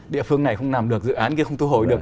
địa phương này không làm được dự án kia không thu hồi được